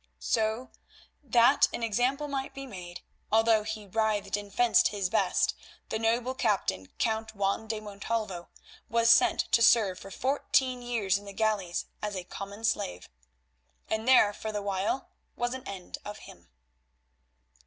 So, that an example might be made, although he writhed and fenced his best, the noble captain, Count Juan de Montalvo, was sent to serve for fourteen years in the galleys as a common slave. And there, for the while, was an end of him.